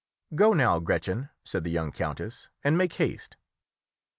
"Go now, Gretchen," said the young countess, "and make haste."